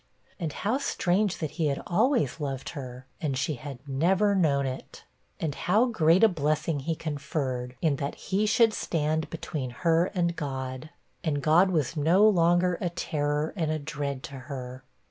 And, how strange that he had always loved her, and she had never known it! And how great a blessing he conferred, in that he should stand between her and God! And God was no longer a terror and a dread to her.